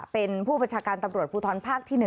เป็นผู้บัญชาการตำรวจภูทรภาคที่๑